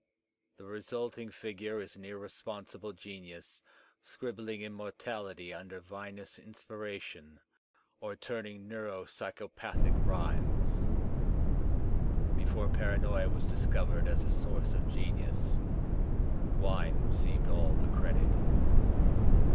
The resulting figure is an irresponsible genius scribbling immortaUty under vinous inspiration, or turning neuropsychopathic rhymes. Before par£inoia was discov ered as a source of genius, wine received all the credit.